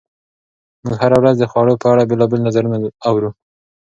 موږ هره ورځ د خوړو په اړه بېلابېل نظرونه اورو.